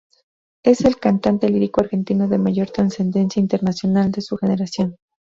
Es el cantante lírico argentino de mayor trascendencia internacional de su generación.